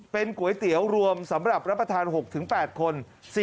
เป็นก๋วยเตี๋ยวรวมสำหรับรับประทาน๖๘คน